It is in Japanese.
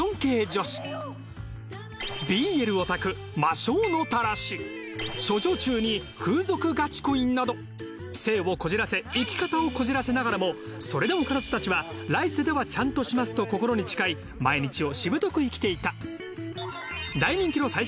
物語の舞台はそこで働く性をこじらせ生き方をこじらせながらもそれでも彼女たちは来世ではちゃんとしますと心に誓い毎日をしぶとく生きていた。